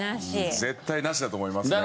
絶対ナシだと思いますね。